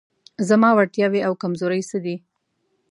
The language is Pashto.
زما وړتیاوې او کمزورۍ څه دي؟